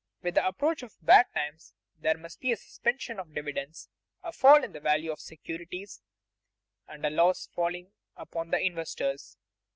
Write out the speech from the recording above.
With the approach of bad times there must be a suspension of dividends, a fall in the value of securities, and a loss falling upon the investors.